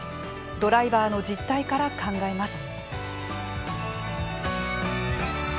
ドライバーの実態から考えます。